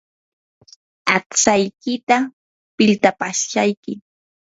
aqtsaykita piltapaashayki.